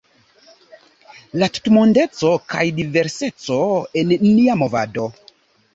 La tutmondeco kaj diverseco en nia movado.